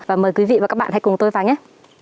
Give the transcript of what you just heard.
và mời quý vị và các bạn hãy cùng tôi vào nhé